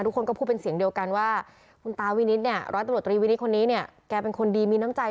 ทุกคนก็พูดเป็นเสียงเดียวกันว่าคุณตาวินิตเนี่ย